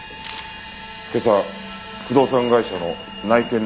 今朝不動産会社の内見で発見された。